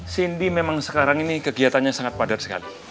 cindy memang sekarang ini kegiatannya sangat padat sekali